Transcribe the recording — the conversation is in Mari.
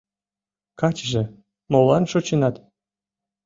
- Качыже, молан шочынат?